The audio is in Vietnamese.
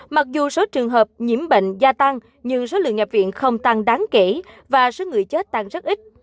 mặc dù số trường hợp nhiễm bệnh gia tăng nhưng số lượng nhập viện không tăng đáng kể và số người chết tăng rất ít